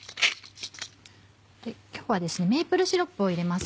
今日はメープルシロップを入れます。